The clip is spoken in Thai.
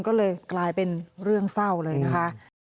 ก็เลยกลายเป็นเรื่องเศร้าเลยนะคะ